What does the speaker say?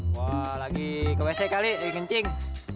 wah lagi ke wc kali jadi kencing